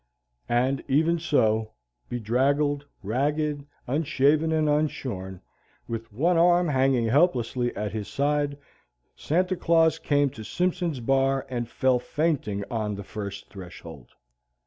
And even so, bedraggled, ragged, unshaven and unshorn, with one arm hanging helplessly at his side, Santa Claus came to Simpson's Bar and fell fainting on the first threshold.